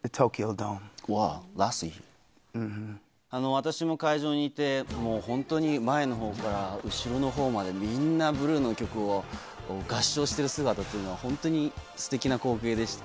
私も会場にいて、もう本当に、前のほうから、後ろのほうまで、みんなブルーノの曲を合唱してる姿というのは、本当にすてきな光景でした。